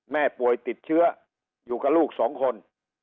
แม่ป่วยติดเชื้ออยู่กับลูกสองคน